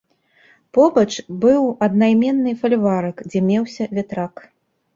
Побач быў аднайменны фальварак, дзе меўся вятрак.